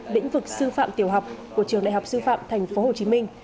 lĩnh vực sư phạm tiểu học của trường đại học sư phạm tp hcm